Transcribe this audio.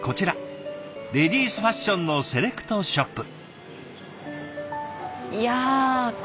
レディースファッションのセレクトショップ。